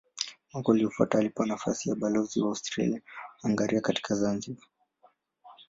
Mwaka uliofuata alipewa nafasi ya balozi wa Austria-Hungaria katika Zanzibar.